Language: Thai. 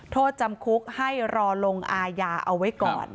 โทษจำคุกให้รอลงอาญาเอาไว้ก่อน